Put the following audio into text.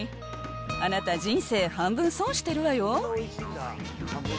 あなた、人生、半分損してるわよ。